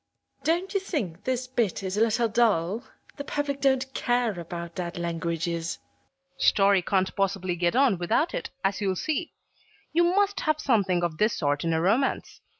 Don't you think this bit is a little dull? The public don't care about dead languages. PUBLISHER. Story can't possibly get on without it, as you'll see. You must have something of this sort in a romance.